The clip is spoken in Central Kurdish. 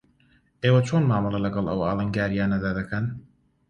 ئێوە چۆن مامەڵە لەگەڵ ئەو ئاڵنگارییانە دەکەن؟